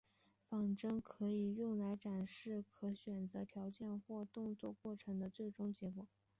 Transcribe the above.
仿真可以用来展示可选条件或动作过程的最终结果。